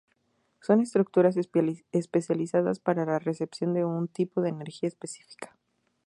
Son estructuras especializadas para la recepción de un tipo de energía específica.